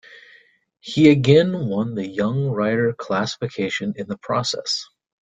He again won the young rider classification in the process.